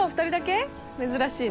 珍しいね。